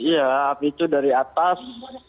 ya api itu dari atas